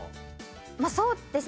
まあそうですね